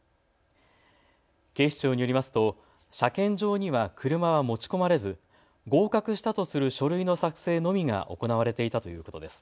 警視庁によりますと車検場には車は持ち込まれず合格したとする書類の作成のみが行われていたということです。